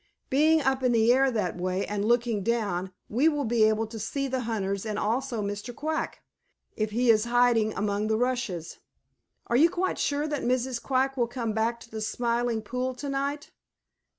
Being up in the air that way and looking down, we will be able to see the hunters and also Mr. Quack, if he is hiding among the rushes. Are you quite sure that Mrs. Quack will come back to the Smiling Pool to night?"